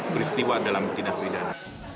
peristiwa dalam tindak bidang